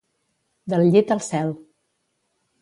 Del llit al cel.